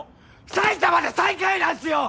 埼玉で最下位なんすよ！